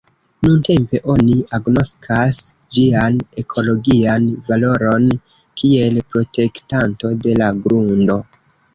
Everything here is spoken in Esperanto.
Nuntempe oni agnoskas ĝian ekologian valoron kiel protektanto de la grundo.